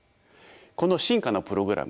この進化のプログラム